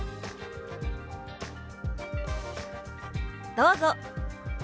どうぞ！